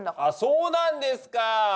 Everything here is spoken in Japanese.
あっそうなんですか。